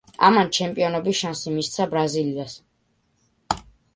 ამან ჩემპიონობის შანსი მისცა ბრაზილიას.